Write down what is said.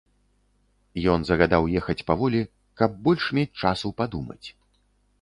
Ён загадаў ехаць паволі, каб больш мець часу падумаць.